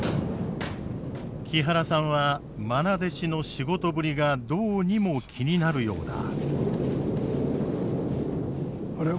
木原さんはまな弟子の仕事ぶりがどうにも気になるようだ。